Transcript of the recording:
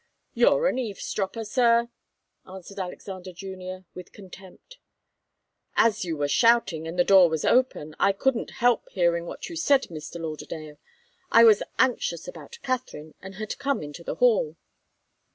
"You're an eavesdropper, sir," answered Alexander Junior, with contempt. "As you were shouting, and the door was open, I couldn't help hearing what you said, Mr. Lauderdale. I was anxious about Katharine, and had come into the hall."